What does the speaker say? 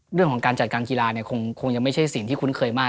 เรื่องของการจัดการกีฬาเนี่ยคงยังไม่ใช่สิ่งที่คุ้นเคยมาก